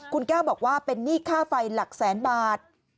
คุณแก้วบอกว่าเป็นหนี้ค่าไฟหลักแสนบาท